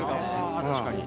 確かに。